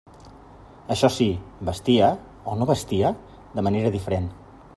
Això sí, vestia —o no vestia?— de manera diferent.